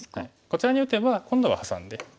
こちらに打てば今度はハサんで。